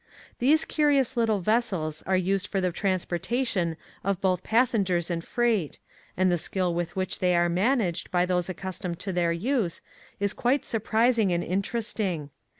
These curious little vessels are used for the transportation of both pas sengers and freight, and the skill with which they are managed by those accus tomed to their use is quite surprising and interesting.